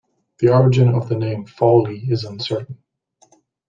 The origin of the name "Fawley" is uncertain.